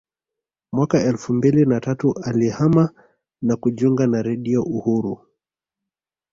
Mwaka elfu mbili na tatu alihama na kujiunga na Redio Uhuru